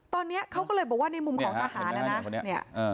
ตอนนี้เขาก็เลยบอกว่าในมุมของทหารนะนะ